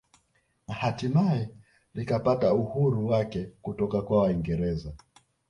Na hatimaye likapata uhuru wake kutoka kwa waingereza